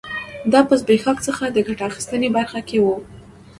دا په زبېښاک څخه د ګټې اخیستنې برخه کې و